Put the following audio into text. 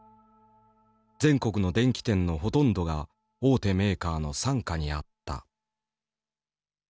全国の電器店のほとんどが大手メーカーの傘下にあった。